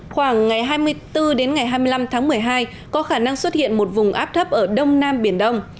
khoảng ngày hai mươi bốn đến ngày hai mươi năm tháng một mươi hai có khả năng xuất hiện một vùng áp thấp ở đông nam biển đông